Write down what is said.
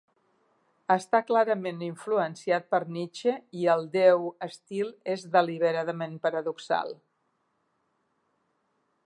Està clarament influenciat per Nietzsche i el deu estil és deliberadament paradoxal.